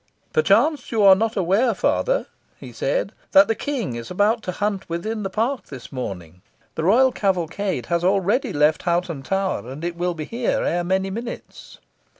"Perchance you are not aware, father," he said, "that the King is about to hunt within the park this morning. The royal cavalcade has already left Hoghton Tower, and will be here ere many minutes."